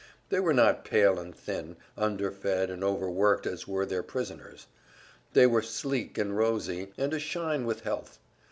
They were not pale and thin, underfed and overworked, as were their prisoners; they were sleek and rosy, and ashine with health.